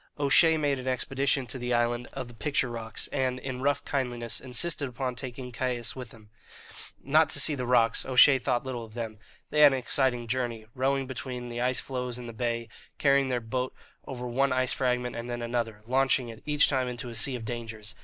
O'Shea made an expedition to the island of the picture rocks, and, in rough kindliness, insisted upon taking Caius with him, not to see the rocks O'Shea thought little of them. They had an exciting journey, rowing between the ice floes in the bay, carrying their boat over one ice fragment and then another, launching it each time into a sea of dangers.